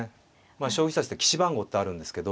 将棋指しって棋士番号ってあるんですけど。